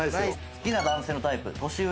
好きな男性のタイプ年上。